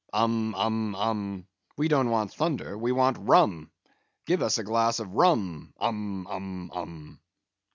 Um, um, um. We don't want thunder; we want rum; give us a glass of rum. Um, um, um!"